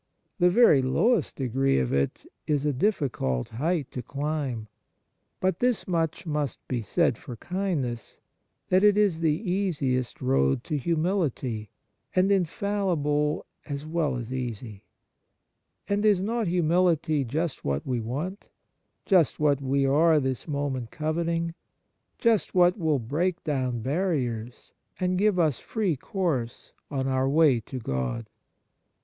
The very lowest degree of it is a difficult height to climb. But this much must be said for kindness, that it is the easiest road to humility, and infal lible as well as easy ; and is not humility just what we want, just what we are this moment coveting, just what will break down barriers, and give us free course on our way to God